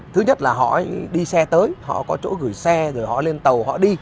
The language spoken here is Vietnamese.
thứ nhất là họ đi xe tới họ có chỗ gửi xe rồi họ lên tàu họ đi